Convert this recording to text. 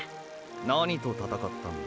何と闘ったんだ？